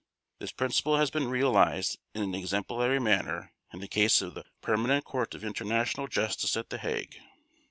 This principle has been realized in an exemplary manner in the case of the Permanent Court of International Justice at The Hague.